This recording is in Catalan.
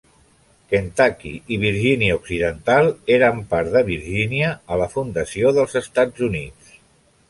Kentucky i Virgínia Occidental eren part de Virgínia a la fundació dels Estats Units.